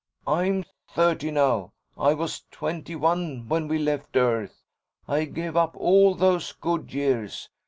I'm thirty now. I was twenty one when we left Earth. I gave up all those good years.